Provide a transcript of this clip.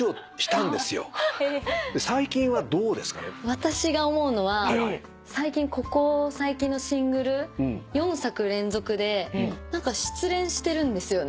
私が思うのはここ最近のシングル４作連続で失恋してるんですよ。